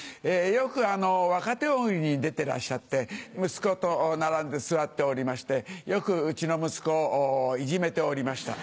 よく若手大喜利に出てらっしゃって息子と並んで座っておりましてよくうちの息子をいじめておりました。